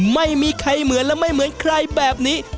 ไม่มีใครเหมือนและไม่เหมือนใครแบบนี้